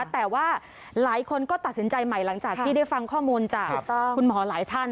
แต่ว่าหลายคนก็ตัดสินใจใหม่หลังจากที่ได้ฟังข้อมูลจากคุณหมอหลายท่าน